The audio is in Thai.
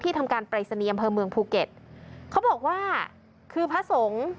ทำการปรายศนีย์อำเภอเมืองภูเก็ตเขาบอกว่าคือพระสงฆ์